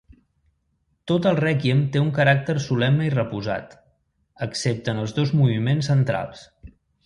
Tot el Rèquiem té un caràcter solemne i reposat, excepte en els dos moviments centrals.